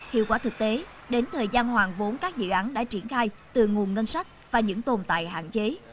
hiệu quả thực tế đến thời gian hoàn vốn các dự án đã triển khai từ nguồn ngân sách và những tồn tại hạn chế